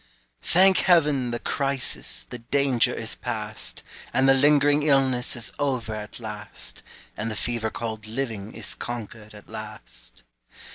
Thank Heaven! the crisis, The danger is past, And the lingering illness Is over at last, And the fever called "Living" Is conquered at last.